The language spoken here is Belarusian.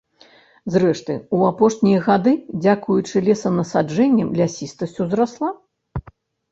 Зрэшты, у апошнія гады, дзякуючы лесанасаджэнням, лясістасць узрасла.